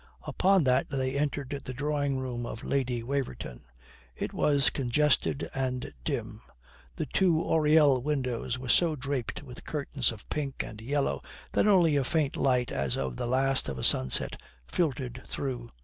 Upon that they entered the drawing room of Lady Waverton. It was congested and dim. The two oriel windows were so draped with curtains of pink and yellow that only a faint light as of the last of a sunset filtered through.